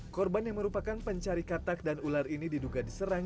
korban yang merupakan pencari katak dan ular ini diduga diserang